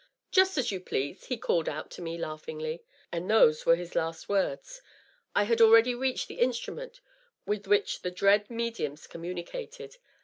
Just as you please," he called out to me, laughingly. And those were his last words. I had already reached the instrument with which the dread mediums communicated.